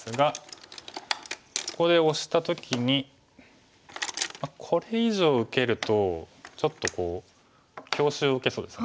ここでオシた時にこれ以上受けるとちょっと強襲を受けそうですよね。